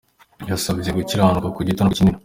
Yabasabye gukiranuka ku gito no ku kinini.